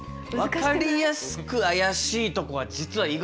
分かりやすく怪しいとこは実は意外とあんまり。